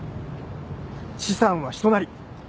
資産は人なり。